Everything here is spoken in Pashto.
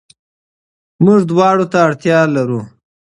موږ دواړو ته اړتيا لرو.